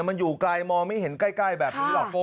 มันอยู่ไกลมองไม่เห็นใกล้แบบนี้หรอก